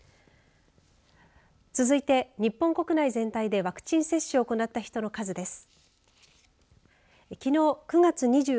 続いて、日本国内全体でワクチン接種を行った人の数です。